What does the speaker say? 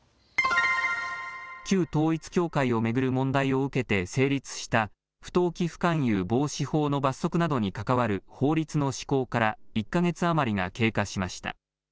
旧統一教会を巡る問題を受けて成立した不当寄付勧誘防止法の罰則などに関わる法律の施行から１か月余りが経過しました。